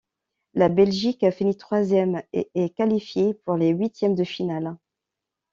La Belgique finit troisième et est qualifié pour les huitièmes de finale.